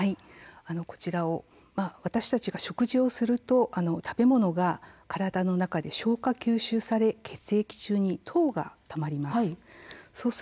こちらは私たちが食事をすると食べ物が体の中で消化吸収され血液中に糖がたまります。